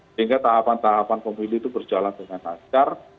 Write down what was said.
sehingga tahapan tahapan pemilu itu berjalan dengan lancar